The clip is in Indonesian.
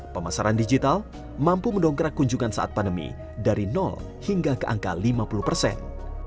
pemasaran digital mampu mendongkrak kunjungan saat pandemi dari hingga ke angka lima puluh persen